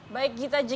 baik gita gita